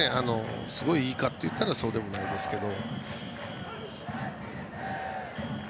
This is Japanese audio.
すごいいいかというとそうでもないですけど。